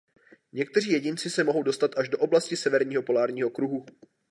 Někteří jedinci se mohou dostat až do oblasti severního polárního kruhu.